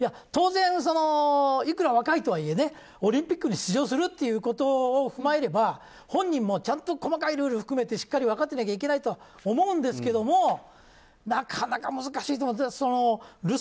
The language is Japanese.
当然、いくら若いとはいえオリンピックに出場するということを踏まえれば本人もちゃんと細かいルールも含めて分かってないといけないと思うんですけどもなかなか難しいと思う。